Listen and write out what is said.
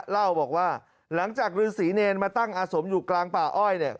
เล่าบอกว่าหลังจากฤษีเนรมาตั้งอาสมอยู่กลางป่าอ้อยเนี่ย